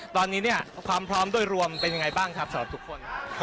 ตอนนี้เนี่ยความพร้อมโดยรวมเป็นยังไงบ้างครับสำหรับทุกคน